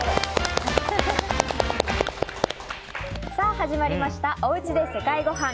始まりましたおうちで世界ごはん。